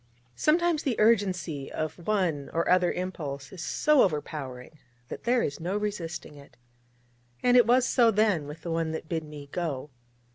Sometimes the urgency of one or other impulse is so overpowering, that there is no resisting it: and it was so then with the one that bid me go.